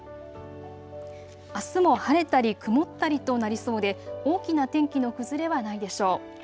あすも晴れたり曇ったりとなりそうで大きな天気の崩れはないでしょう。